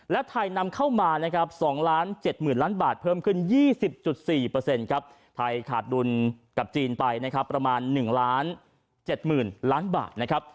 และไทยนำเข้ามานะครับ๒๗๐๐ล้านบาทเพิ่มขึ้น๒๐๔ครับไทยขาดดุลกับจีนไปนะครับประมาณ๑๗๐๐ล้านบาทนะครับ